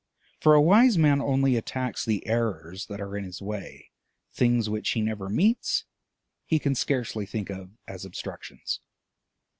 For a wise man only attacks the errors that are in his way; things which he never meets he can scarcely think of as obstructions.